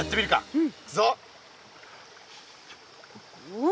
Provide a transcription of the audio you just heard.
うん。